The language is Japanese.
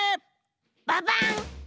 ババン！